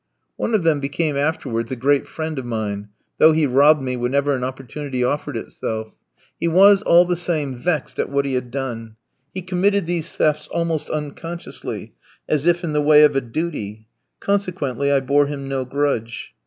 One of them became afterwards a great friend of mine, though he robbed me whenever an opportunity offered itself. He was, all the same, vexed at what he had done. He committed these thefts almost unconsciously, as if in the way of a duty. Consequently I bore him no grudge.